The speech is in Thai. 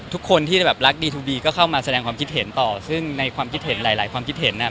ทุกคนที่แบบรักดีทูบีก็เข้ามาแสดงความคิดเห็นต่อซึ่งในความคิดเห็นหลายหลายความคิดเห็น